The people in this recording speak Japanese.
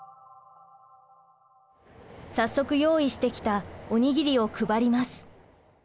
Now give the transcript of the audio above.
早速用意してきたおにぎりを配ります。